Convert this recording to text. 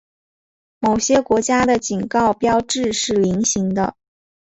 某些国家的警告标志是菱形的。